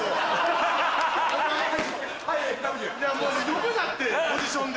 呼ぶなってポジションで。